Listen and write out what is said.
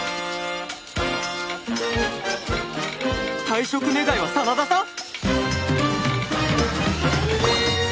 退職願は真田さん！？